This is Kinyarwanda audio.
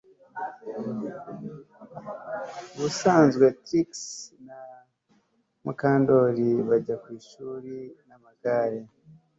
Ubusanzwe Trix na Mukandoli bajya ku ishuri namagare